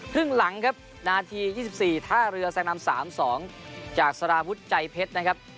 ครึ่งหลังครับนาที๒๔ท่าเรือแซงนำ๓๒จากสารวุฒิใจเพชรนะครับ